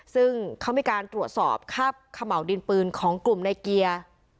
ซึ่งเขามีการตรวจสอบคาบขม่าวดินปืนของกลุ่มในเกียร์